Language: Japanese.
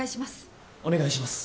お願いします。